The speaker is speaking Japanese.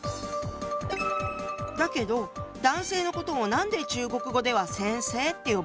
だけど男性のことをなんで中国語では「先生」って呼ぶの？